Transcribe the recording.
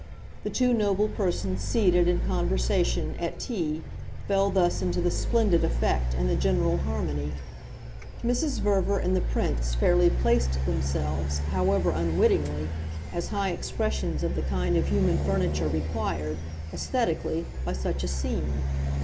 The two noble persons seated, in conversation, at tea, fell thus into the splendid effect and the general harmony: Mrs. Verver and the Prince fairly "placed" themselves, however unwittingly, as high expressions of the kind of human furniture required, esthetically, by such a scene.